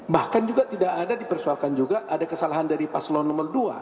bahkan juga tidak ada dipersoalkan juga ada kesalahan dari paslon nomor dua